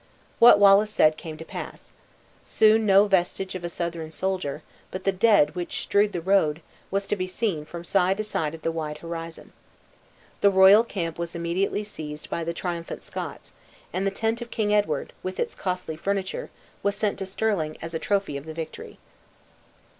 What Wallace said came to pass. Soon no vestige of a Southron soldier, but the dead which strewed the road, was to be seen from side to side of the wide horizon. The royal camp was immediately seized by the triumphant Scots; and the tent of King Edward, with its costly furniture, was sent to Stirling as a trophy of the victory.